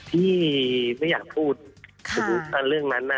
ที่ไม่อยากพูดถึงเรื่องนั้น